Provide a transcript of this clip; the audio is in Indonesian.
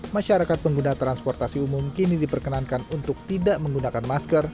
masyarakat pengguna transportasi umum kini diperkenankan untuk tidak menggunakan masker